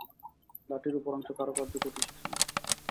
লাঠির উপরাংশ কারুকার্য খচিত ছিল।